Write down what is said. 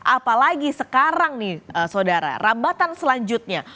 apalagi sekarang nih saudara rambatan selanjutnya